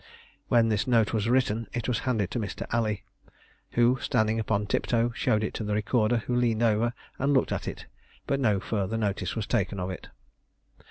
When this note was written, it was handed to Mr. Alley, who, standing upon tiptoe, showed it to the recorder, who leaned over and looked at it, but no further notice was taken of it.